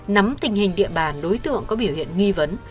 nắm tình hình địa bàn đối tượng có biểu hiện nghi vấn